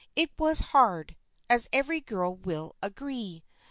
It was hard, as every girl will agree.